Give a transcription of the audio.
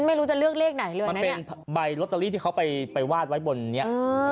ฉันไม่รู้จะเลือกเลขไหนเลยนะเนี่ยมันเป็นใบล็อตเตอรี่ที่เขาไปวาดไว้บนนี้